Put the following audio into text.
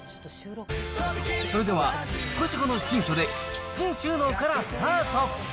それでは引っ越し後の新居でキッチン収納からスタート。